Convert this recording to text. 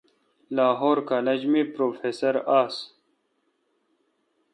لاہور کالج می پروفیسر آس۔